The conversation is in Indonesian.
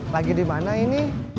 lagi di mana ini